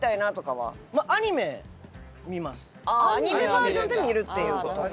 アニメバージョンで見るっていう事か。